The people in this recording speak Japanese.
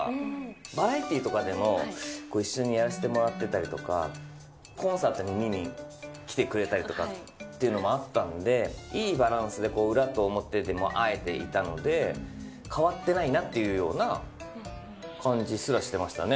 バラエティーとかでも、一緒にやらせてもらってたりとか、コンサートに見に来てくれたりとかってあったので、いいバランスで裏と表でも会えていたので、変わってないなっていうような感じすらしてましたね。